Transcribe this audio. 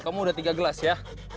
kamu udah tiga gelas ya